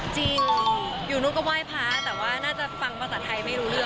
จริงอยู่นู่นก็ไหว้พระแต่ว่าน่าจะฟังภาษาไทยไม่รู้เรื่อง